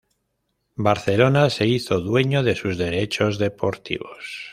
Barcelona se hizo dueño de sus derechos deportivos.